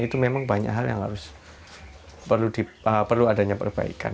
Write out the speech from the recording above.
itu memang banyak hal yang harus perlu adanya perbaikan